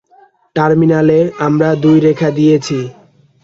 টার্মিনালে আমরা হলুদ রেখা দিয়েছি।